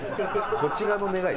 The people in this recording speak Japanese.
どっち側の願い？